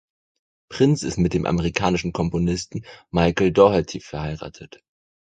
Prins ist mit dem amerikanischen Komponisten Michael Daugherty verheiratet.